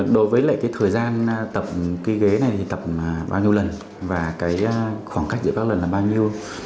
đối với lại cái thời gian tập cái ghế này thì tập bao nhiêu lần và cái khoảng cách giữa các lần là bao nhiêu